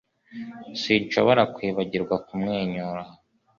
Sinshobora kwibagirwa kumwenyura